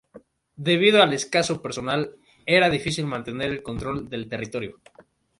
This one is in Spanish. Debido al escaso personal, era difícil mantener el control del territorio.